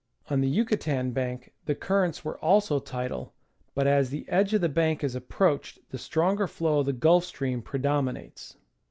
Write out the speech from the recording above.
On the Yucatan Bank the currents were also tidal, but as the edge of the bank is approached the stronger flow of the Gulf Stream predominates.